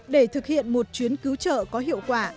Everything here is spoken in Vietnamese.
để thực hiện một chuyến cứu trợ có hiệu quả